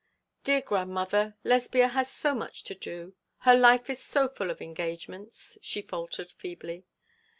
'Dear grandmother, Lesbia has so much to do her life is so full of engagements,' she faltered feebly.